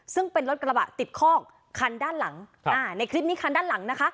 ซึ่งเป็นรถกระบะติดคอกคันด้านหลังอ่าในคลิปนี้คันด้านหลังนะคะ